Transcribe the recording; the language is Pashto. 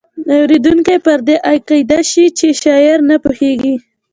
اوریدونکی پر دې عقیده شي چې شاعر نه پوهیږي.